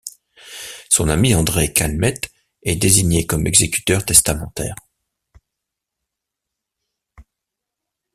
Son ami André Calmettes est désigné comme exécuteur testamentaire.